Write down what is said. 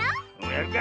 やるか！